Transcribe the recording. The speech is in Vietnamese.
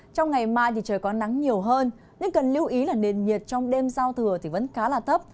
trong ngày mai trời có nắng nhiều hơn nhưng cần lưu ý là nền nhiệt trong đêm giao thừa thì vẫn khá là thấp